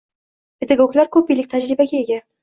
Pedagoglar ko‘p yillik tajribaga ega.